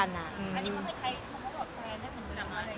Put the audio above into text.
อันนี้เคยใช้คำสอบแฟนได้เหมือนกันไหม